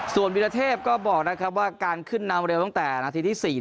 ส่วนวิรเทพก็บอกว่าการขึ้นนำเร็วตั้งแต่นาทีที่๔